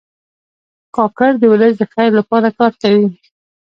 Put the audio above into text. کاکړ د ولس د خیر لپاره کار کوي.